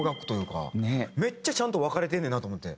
めっちゃちゃんと分かれてんねんなと思って。